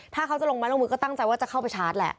ถ้าเขาจะลงไม้ลงมือก็ตั้งใจว่าจะเข้าไปชาร์จแหละ